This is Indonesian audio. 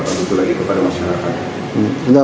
nanti ketika ada kesempatan nanti kita akan mencari